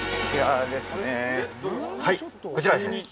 はいこちらですね。